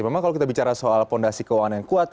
memang kalau kita bicara soal fondasi keuangan yang kuat